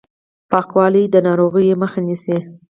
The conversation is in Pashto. پاکوالی د ناروغیو مخه نیسي